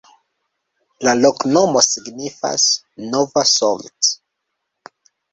La loknomo signifas: nova-Solt.